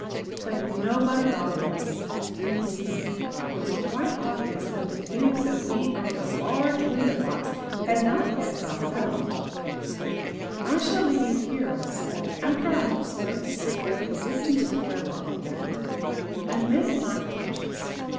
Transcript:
But nobody bothered us. Indeed it was quite obvious that the news that we owned a large window box had not yet got about. "I shall leave you here," I said, after I had smoked a cigarette and dipped into the catalogue again, "and make my purchase.